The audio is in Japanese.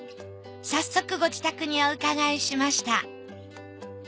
早速ご自宅にお伺いしました。